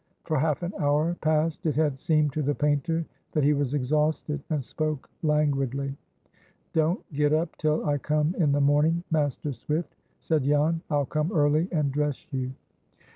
For half an hour past it had seemed to the painter that he was exhausted, and spoke languidly. "Don't get up till I come in the morning, Master Swift," said Jan; "I'll come early and dress you."